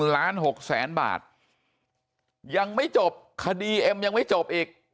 ล้าน๖แสนบาทยังไม่จบคดีเอ็มยังไม่จบอีก